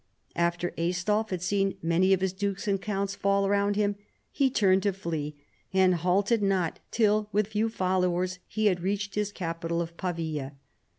After Aistulf had seen many of his dukes and counts fall around him he turned to flee, and halted not till with few followers he had reached his capital of Pavia.